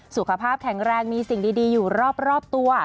สุขภาพแข็งแรงมีสิ่งดีอยู่รอบตัว